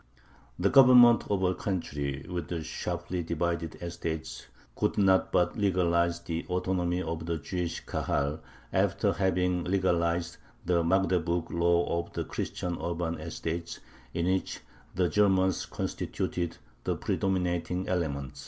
The Government of a country with sharply divided estates could not but legalize the autonomy of the Jewish Kahal, after having legalized the Magdeburg Law of the Christian urban estates, in which the Germans constituted the predominating element.